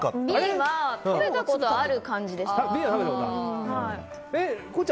Ｂは食べたことある感じでした。